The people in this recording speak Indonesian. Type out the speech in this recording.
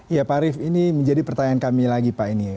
iya pak arief ini menjadi pertanyaan kami lagi pak ini